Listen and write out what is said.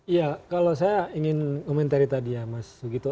iya kalau saya ingin komentari tadi ya mas sugito